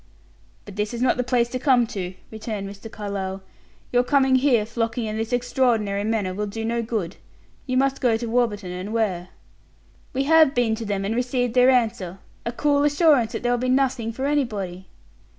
"But this is not the place to come to," returned Mr. Carlyle; "your coming here flocking in this extraordinary manner, will do no good. You must go to Warburton & Ware." "We have been to them and received their answer a cool assurance that there'll be nothing for anybody."